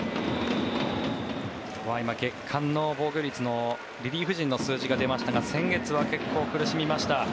今、月間の防御率のリリーフ陣の数字が出ましたが先月は結構苦しみました。